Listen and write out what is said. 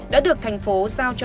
đã được thành phố giao cho